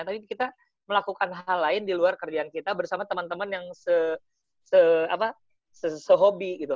tapi kita melakukan hal lain di luar kerjaan kita bersama teman teman yang sehobi gitu